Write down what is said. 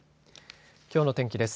きょうの天気です。